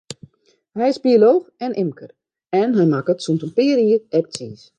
Hy is biolooch en ymker, en hy makket sûnt in pear jier ek tsiis.